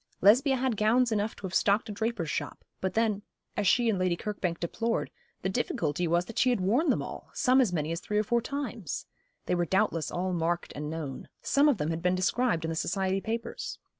Lesbia had gowns enough to have stocked a draper's shop; but then, as she and Lady Kirkbank deplored, the difficulty was that she had worn them all, some as many as three or four times. They were doubtless all marked and known. Some of them had been described in the society papers.